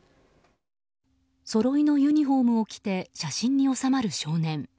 そろいのユニホームを着て写真に納まる少年。